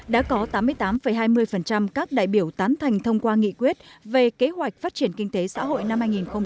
đã có tám mươi tám hai mươi các đại biểu tán thành thông qua nghị quyết về kế hoạch phát triển kinh tế xã hội năm hai nghìn hai mươi